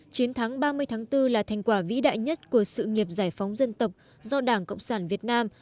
chiến thắng ba mươi tháng bốn là thành quả vĩ đại nhất của sự nghiệp giải phóng dân tộc do đảng cộng sản việt nam